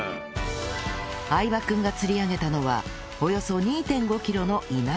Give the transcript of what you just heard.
相葉君が釣り上げたのはおよそ ２．５ キロのイナダ